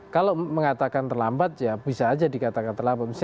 kalau mengatakan terlambat ya bisa aja dikatakan terlambat